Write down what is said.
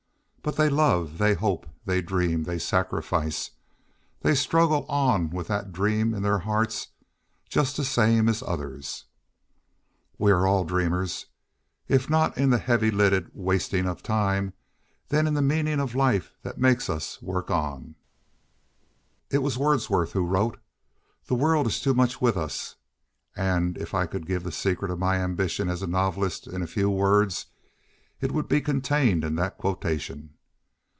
But they love, they hope, they dream, they sacrifice, they struggle on with that dream in their hearts just the same as others. We all are dreamers, if not in the heavy lidded wasting of time, then in the meaning of life that makes us work on. It was Wordsworth who wrote, "The world is too much with us"; and if I could give the secret of my ambition as a novelist in a few words it would be contained in that quotation.